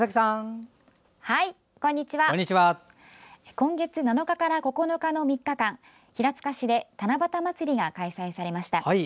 今月７日から９日の３日間平塚市で七夕まつりが開催されました。